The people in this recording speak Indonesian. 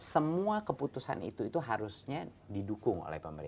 semua keputusan itu harusnya didukung